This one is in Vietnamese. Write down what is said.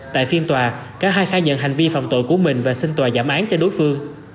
tại phiên tòa cả hai khai nhận hành vi phạm tội của mình và xin tòa giảm án cho đối phương